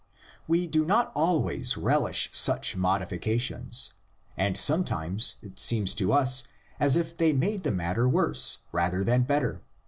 We do not always relish such modifications, and sometimes it seems to us as if they made the matter worse, rather than better.